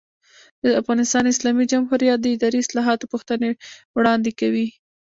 د افغانستان اسلامي جمهوریت د اداري اصلاحاتو پوښتنې وړاندې کوي.